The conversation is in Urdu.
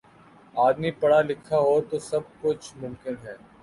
آدمی پڑھا لکھا ہو تو سب کچھ ممکن ہے